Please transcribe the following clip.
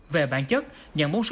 về bản chất nhận bốn số chín